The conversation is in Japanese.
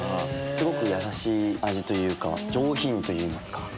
すごくやさしい味というか上品といいますか。